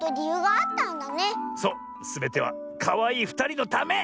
すべてはかわいいふたりのため！